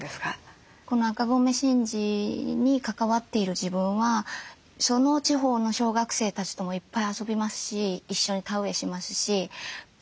この赤米神事に関わっている自分はその地方の小学生たちともいっぱい遊びますし一緒に田植えしますし集落のおじいさん